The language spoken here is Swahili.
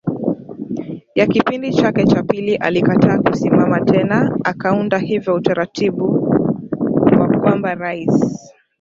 ya kipindi chake cha pili alikataa kusimama tena akaunda hivyo utaratibu wa kwamba rais